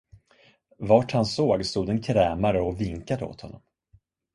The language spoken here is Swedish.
Vart han såg, stod en krämare och vinkade åt honom.